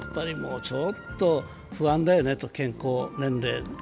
ちょっと不安だよね、健康面で。